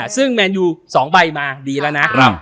ซึ่งแมนยู๒ใบมาดีแล้วนะ